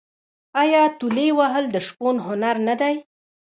آیا تولې وهل د شپون هنر نه دی؟